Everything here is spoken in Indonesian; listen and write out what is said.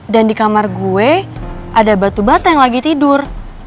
dan di kamar gue ada batu bata yang lagi tidur